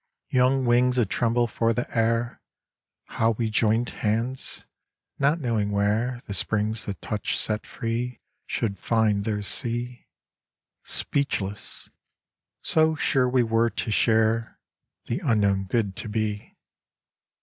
Young wings a tremble for the air, How we joined hands? not knowing where The springs that touch set free Should find their sea. Speechless so sure we were to share The unknown good to be.